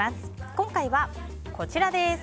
今回はこちらです。